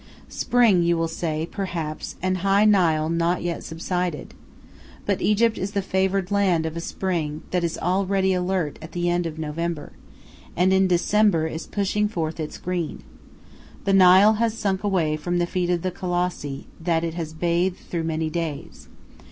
Spring, you will say, perhaps, and high Nile not yet subsided! But Egypt is the favored land of a spring that is already alert at the end of November, and in December is pushing forth its green. The Nile has sunk away from the feet of the Colossi that it has bathed through many days.